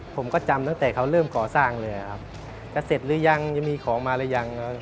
ผมก็จำตั้งแต่เขาเริ่มก่อสร้างเลยครับจะเสร็จหรือยังจะมีของมาหรือยัง